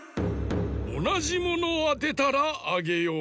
おなじものをあてたらあげよう。